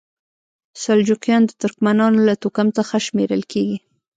سلجوقیان د ترکمنانو له توکم څخه شمیرل کیږي.